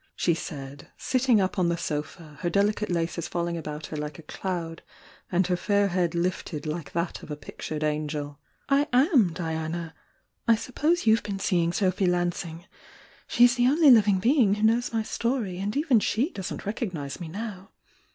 she said, sitting up on the sofa, her delicate laces falling about her like a doud and her fair head lifted like that of a pictured aneel— "I am Diana! I suppose you ve been seeing SoDhy Lansing— she's the only livmg bemg who knows my story and even she doesn't recognise me now.